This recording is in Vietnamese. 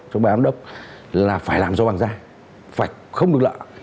chống bài ám đốc là phải làm do bằng ra phải không được lỡ